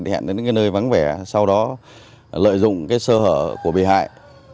hẹn đến nơi vắng vẻ sau đó lợi dụng sơ hở của bị hại